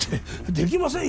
できませんよ